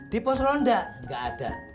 di pos ronda nggak ada